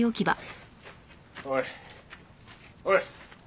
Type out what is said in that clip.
おいおい！